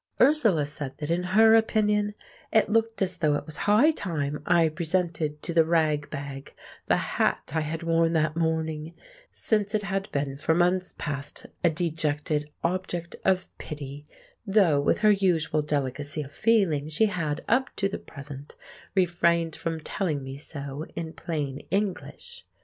Ursula said that in her opinion it looked as though it was high time I presented to the ragbag the hat I had worn that morning, since it had been for months past a dejected object of pity, though with her usual delicacy of feeling she had, up to the present, refrained from telling me so in plain English.